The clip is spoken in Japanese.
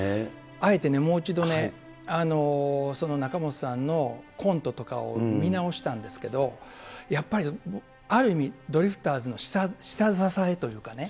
あえてもう一度、その仲本さんのコントとかを見直したんですけど、やっぱり、ある意味、ドリフターズの下支えというかね。